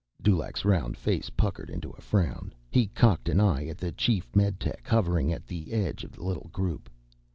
Dulaq's round face puckered into a frown. He cocked an eye at the chief meditech, hovering at the edge of the little group.